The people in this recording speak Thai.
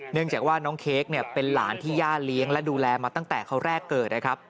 เนื่องจากว่าน้องเค้กเป็นหลานที่ย่าเลี้ยงและดูแลมาตั้งแต่เขาแรกเกิดนะครับ